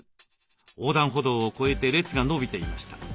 横断歩道を越えて列が延びていました。